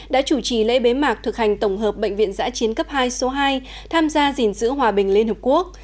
đã chủ trì lễ bế mạc thực hành tổng hợp bệnh viện giã chiến cấp hai số hai tham gia gìn giữ hòa bình liên hợp quốc